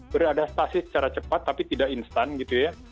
beradaptasi secara cepat tapi tidak instan gitu ya